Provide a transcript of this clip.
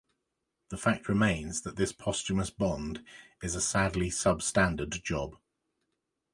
The fact remains that this posthumous Bond is a sadly sub-standard job.